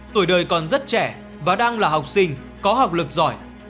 tuổi đời còn rất trẻ và đang là học sinh có học lực giỏi